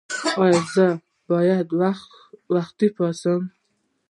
ایا زه باید وختي پاڅیږم؟